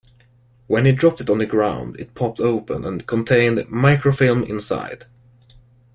When he dropped it on the ground, it popped open and contained microfilm inside.